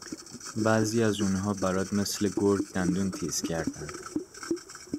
بعضی از اون ها برات مثل گرگ دندون تیز کردن